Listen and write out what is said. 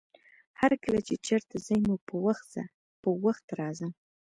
هرکله چې چېرته ځې نو په وخت ځه، په وخت راځه!